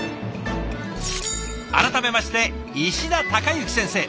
改めまして石田孝之先生。